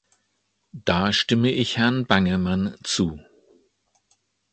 Da stimme ich Herrn Bangemann zu.